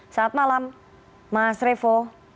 selamat malam mas revo